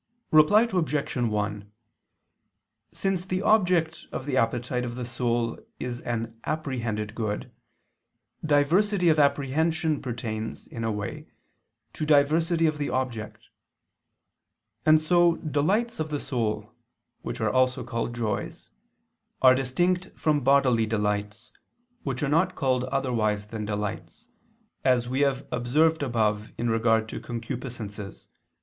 Reply Obj. 1: Since the object of the appetite of the soul is an apprehended good, diversity of apprehension pertains, in a way, to diversity of the object. And so delights of the soul, which are also called joys, are distinct from bodily delights, which are not called otherwise than delights: as we have observed above in regard to concupiscences (Q.